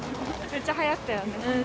めっちゃはやったよね。